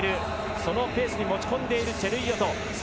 そのペースに持ち込んでいるチェルイヨト。